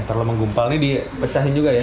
terlalu menggumpal ini dipecahin juga ya